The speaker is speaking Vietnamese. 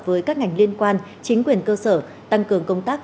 với các ngành liên quan chính quyền cơ sở tăng cường công tác